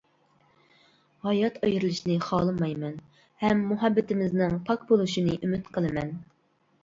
ھايات ئايرىلىشنى خالىمايمەن ھەم مۇھەببىتىمىزنىڭ پاك بولۇشنى ئۈمىد قىلىمەن.